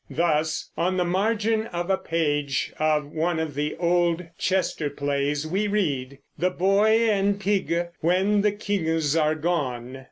Thus on the margin of a page of one of the old Chester plays we read, "The boye and pigge when the kinges are gone."